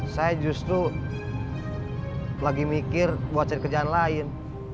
saya justru lagi mikir buat cari kerjaan lain